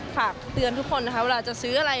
ฝากเตือนทุกคนนะคะเวลาจะซื้ออะไร